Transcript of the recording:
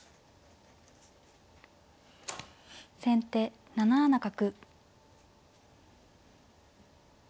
先手７七角。